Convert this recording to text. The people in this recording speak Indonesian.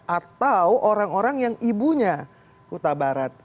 atau orang orang yang ibunya kuta barat